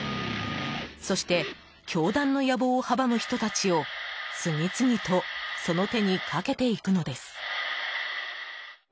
そして、教団の野望を阻む人たちを次々とその手にかけていくのです。